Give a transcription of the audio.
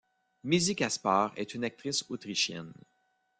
Mizzi Kaspar est une actrice autrichienne.